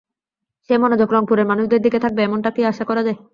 সেই মনোযোগ রংপুরের মানুষদের দিকে থাকবে এমনটা কি আশা করা যায়?